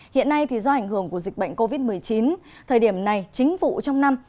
hiện nay do ảnh hưởng của dịch bệnh covid một mươi chín thời điểm này chính vụ trong năm